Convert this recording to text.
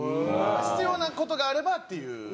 必要な事があればっていう。